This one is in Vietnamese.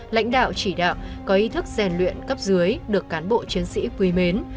lãnh đạo chỉ đạo có ý thức rèn luyện cấp dưới được cán bộ chiến sĩ quý mến